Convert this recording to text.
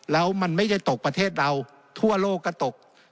แล้วมันไม่ได้ตกประเทศเราทั่วโลกก็ตก